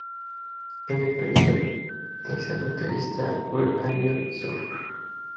En la actualidad es el baterista Where angels suffer.